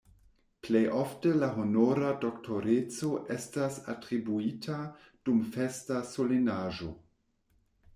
Plej ofte la honora doktoreco estas atribuita dum festa solenaĵo.